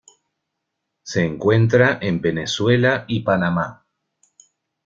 Se encuentra en Venezuela y Panamá.